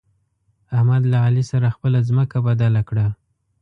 احمد له علي سره خپله ځمکه بدله کړه.